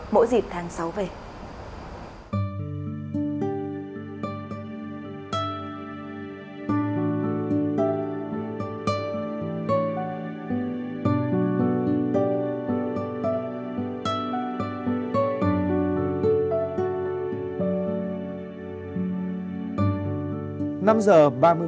mỗi dịp tháng sáu về